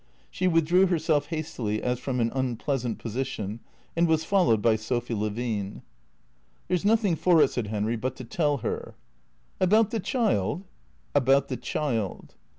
She withdrew herself hastily, as from an unpleasant position, and was followed by Sophy Levine. "There's nothing for it," said Henry, "but to tell her." " About the child ?"" About the child."